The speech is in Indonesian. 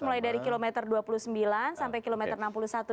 mulai dari kilometer dua puluh sembilan sampai kilometer enam puluh satu